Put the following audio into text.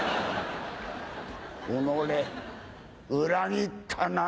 おのれ、裏切ったな。